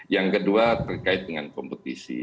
yang kedua terkait dengan kompetisi